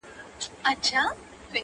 بيا وايم زه، يو داسې بله هم سته